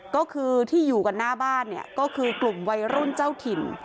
ก็คือที่อยู่กันหน้าบ้านเนี่ยก็คือกลุ่มวัยรุ่นเจ้าถิ่น